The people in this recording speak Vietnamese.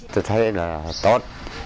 tôi thấy là tốt